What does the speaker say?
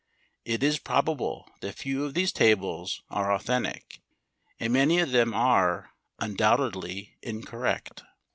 It is probable that few of these tables are authentic, and many of them are, undoubtedly, incorrect.